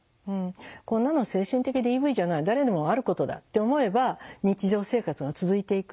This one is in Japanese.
「こんなの精神的ＤＶじゃない誰にもあることだ」って思えば日常生活が続いていく。